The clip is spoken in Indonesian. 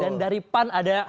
dan dari pan ada